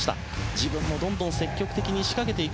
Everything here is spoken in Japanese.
自分もどんどん積極的に仕掛けていく。